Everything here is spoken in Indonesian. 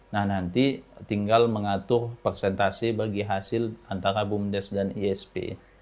nah nanti tinggal mengatur persentase bagi hasil antara bumdes dan isp